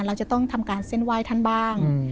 เราจะต้องทำการเส้นไหว้ท่านบ้าง